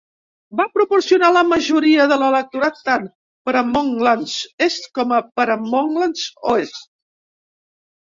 Va proporcionar la majoria de l'electorat tant per a Monklands Est com per a Monklands Oest.